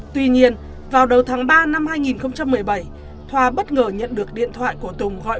tuy nhiên vào đầu tháng ba năm hai nghìn một mươi bảy thoa bất ngờ nhận được điện thoại của tùng gọi